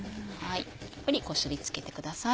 たっぷりこすりつけてください。